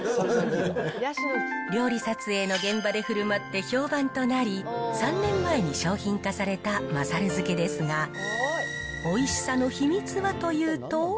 料理撮影の現場でふるまって評判となり、３年前に商品化されたまさる漬けですが、おいしさの秘密はというと。